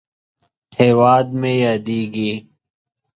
هیواد مې ياديږي